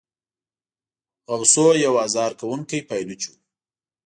غوثو یو آزار کوونکی پایلوچ وو.